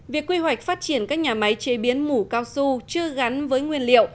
việc quy hoạch phát triển các nhà máy chế biến mủ cao su chưa gắn với nguyên liệu